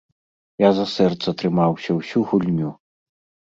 Я за сэрца трымаўся ўсю гульню!